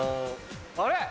あれ！